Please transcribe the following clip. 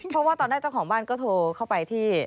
เพราะว่าตอนแรกเจ้าของบ้านก็โทรเข้าไปที่